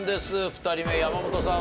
２人目山本さん